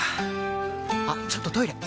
あっちょっとトイレ！